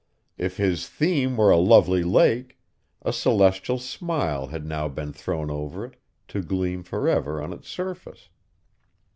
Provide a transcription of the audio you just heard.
If his theme were a lovely lake, a celestial smile had now been thrown over it, to gleam forever on its surface.